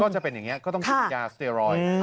จะเป็นอย่างนี้ก็ต้องกินยาสเตียรอยด์